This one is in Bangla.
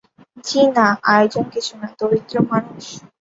জ্বি-না, আয়োজন কিছুনা, দরিদ্র মানুষ।